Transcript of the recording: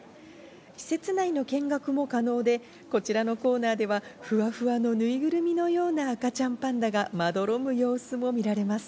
施設内の見学も可能で、こちらのコーナーでは、ふわふわのぬいぐるみのような赤ちゃんパンダがまどろむ様子も見られます。